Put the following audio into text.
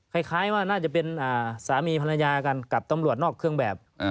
คล้ายว่าน่าจะเป็นสามีภรรยากันกับตำรวจนอกเครื่องแบบ